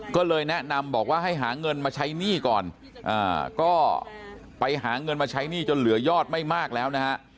ก็เลยแนะนำบอกว่าให้หาเงินมาใช้หนี้ก่อนก็ไปหาเงินมาใช้หนี้จนเหลือยอดไม่มากแล้วนะฮะ